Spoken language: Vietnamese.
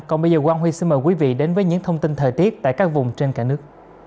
còn bây giờ quang huy xin mời quý vị đến với những thông tin thời tiết tại các vùng trên cả nước